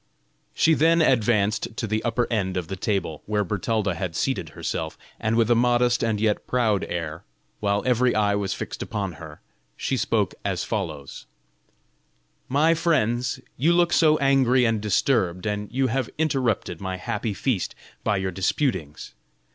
She then advanced to the upper end of the table, where Bertalda has seated herself, and with a modest and yet proud air, while every eye was fixed upon her, she spoke as follows: "My friends, you look so angry and disturbed and you have interrupted my happy feast by your disputings.